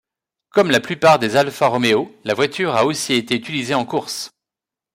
Comme la plupart des Alfa Roméo, la voiture a aussi été utilisée en course.